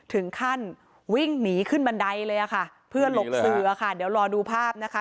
ถึงขั้นวิ่งหนีขึ้นบันไดเลยค่ะเพื่อหลบเสือค่ะเดี๋ยวรอดูภาพนะคะ